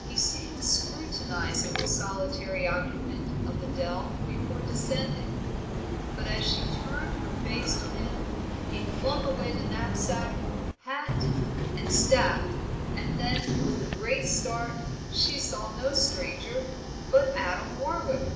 He seemed scrutinizing the solitary occupant of the dell before descending; but as she turned her face to him he flung away knapsack, hat, and staff, and then with a great start she saw no stranger, but Adam Warwick.